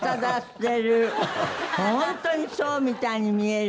ホントにそうみたいに見える。